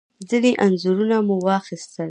ځینې انځورونه مو واخیستل.